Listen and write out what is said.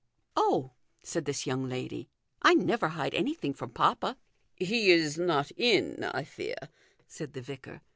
" Oh," said this young lady, " I never hide anything from papa." " He is not in, I fear," said the vicar.